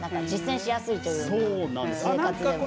実践しやすいというか。